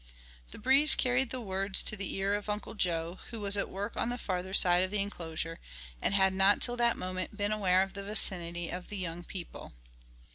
The breeze carried the words to the ear of Uncle Joe, who was at work on the farther side of the enclosure, and had not till that moment been aware of the vicinity of the young people.